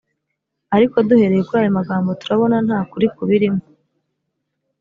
Ariko duhereye kuri ayo magambo turabona ntakuri kubirimo